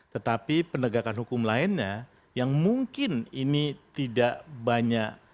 tetapi penegakan hukum lainnya yang mungkin ini tidak banyak